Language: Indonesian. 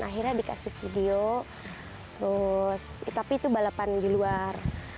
akhirnya dikasih video terus tapi itu balapan di luar